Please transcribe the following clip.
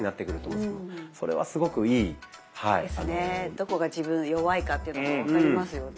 どこが自分弱いかっていうのが分かりますよね。